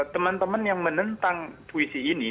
teman teman yang menentang puisi ini